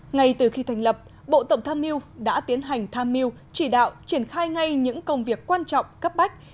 ngay từ khi thành lập bộ tổng tham mưu đã tiến hành tham mưu chỉ đạo triển khai ngay những công việc quan trọng cấp bách